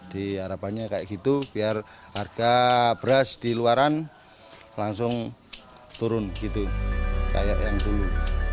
diharapkannya kayak gitu biar harga beras di luaran langsung turun gitu kayak yang dulu